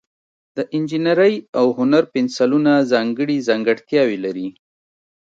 د انجینرۍ او هنر پنسلونه ځانګړي ځانګړتیاوې لري.